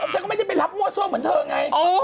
ฉันก็ไม่ได้ไปรับมั่วซั่วเหมือนเธอไง